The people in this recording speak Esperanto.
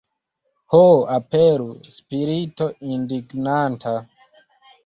Ho, aperu, Spirito indignanta!